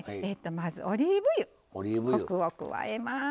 まずオリーブ油コクを加えます。